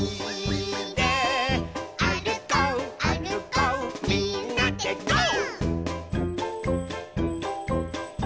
「あるこうあるこうみんなでゴー！」